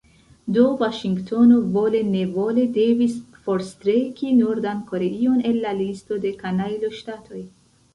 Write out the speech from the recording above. Do Vaŝingtono vole-nevole devis forstreki Nordan Koreion el la listo de kanajloŝtatoj.